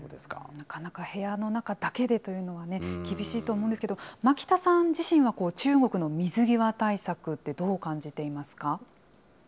なかなか部屋の中だけでというのはね、厳しいと思うんですけど、巻田さん自身は、中国の水際対策って、どう感じていますか。